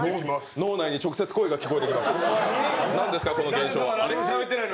脳内に直接声が聞こえてきます。